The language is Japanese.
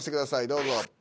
どうぞ。